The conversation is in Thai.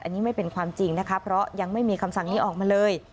อันนี้ไม่เป็นความจริงนะคะเพราะยังไม่มีคำสั่งนี้ออกมาเลย